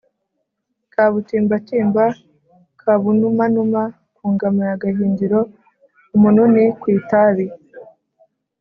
Kabutimbatimba kabunumanuma ku ngama ya Gahindiro-Umununi ku itabi.